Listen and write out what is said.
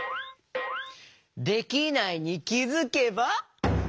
「できないに気づけば」？